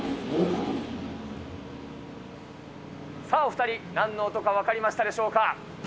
さあお２人、なんの音か分かりましたでしょうか。